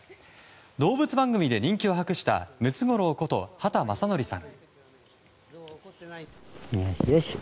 動物番組で人気を博したムツゴロウこと畑正憲さん。